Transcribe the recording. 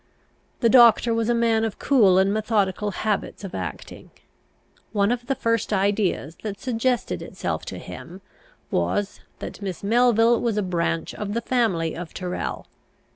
The doctor was a man of cool and methodical habits of acting. One of the first ideas that suggested itself to him was, that Miss Melvile was a branch of the family of Tyrrel.